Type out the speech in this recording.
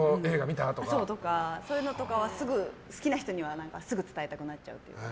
そういうのとかはすぐ好きな人にはすぐ伝えたくなっちゃったりとか。